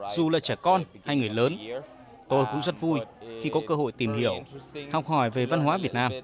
dù là trẻ con hay người lớn tôi cũng rất vui khi có cơ hội tìm hiểu học hỏi về văn hóa việt nam